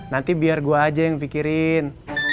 nanti biar gue aja yang pikirin